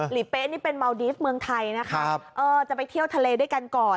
เป๊ะนี่เป็นเมาดีฟเมืองไทยนะคะจะไปเที่ยวทะเลด้วยกันก่อน